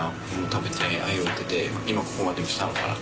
食べて愛を受けて今ここまで来たのかな。